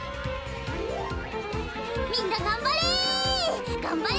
みんながんばれ。